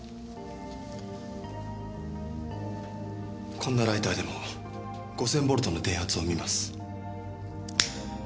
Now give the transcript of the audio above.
こんなライターでも５０００ボルトの電圧を生みます。